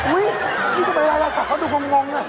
อุ๊ยนี่ทำไมราชาศัพท์เขาดูงงน่ะ